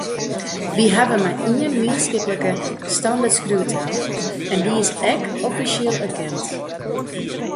We hawwe mar ien mienskiplike standertskriuwtaal, en dy is ek offisjeel erkend.